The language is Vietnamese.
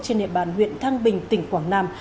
trên địa bàn huyện thăng bình tỉnh quảng nam